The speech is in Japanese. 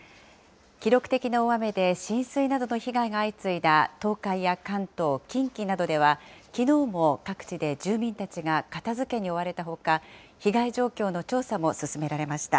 記録的な大雨で浸水などの被害が相次いだ東海や関東、近畿などでは、きのうも各地で住民たちが片づけに追われたほか、被害状況の調査も進められました。